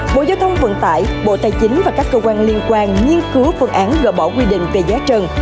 bộ giao thông vận tải bộ tài chính và các cơ quan liên quan nghiên cứu phương án gỡ bỏ quy định về giá trần